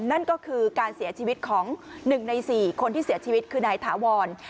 นั่นก็คือการเสียชีวิตของ๑ใน๔คนที่เสียชีวิตคือนายถาวร